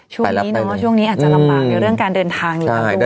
ช่วงนี้น้องว่าช่วงนี้อาจจะลำบากด้วยเรื่องการเดินทางอยู่กันด้วยใช่